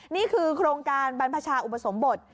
นี่คือโครงการบรรพชาอุปสมบท